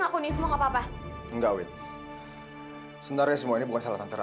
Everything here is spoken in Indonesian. kabur gimana sih